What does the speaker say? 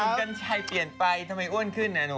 คุณกัญชัยเปลี่ยนไปทำไมอ้วนขึ้นอ่ะหนู